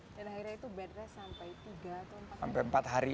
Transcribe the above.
dan akhirnya itu bed rest sampai tiga atau empat hari